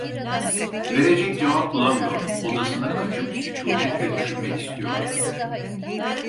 Verecek cevap bulamıyor, odasına kaçıp sükûnetle düşünmek istiyordu.